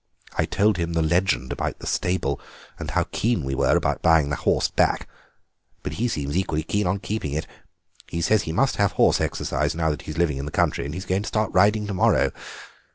I told him the legend about the stable, and how keen we were about buying the horse back, but he seems equally keen on keeping it. He said he must have horse exercise now that he's living in the country, and he's going to start riding to morrow.